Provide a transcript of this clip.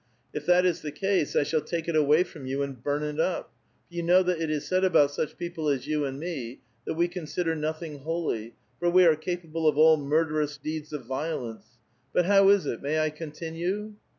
^^ If that is the ease, I shall take it away frotu you and burn it up, for you know 'that it is said about such people as you and me, that we con sider nothing hol}^, for we are capable of all murderous <ieeds of violence. But how is it? may 1 continue?"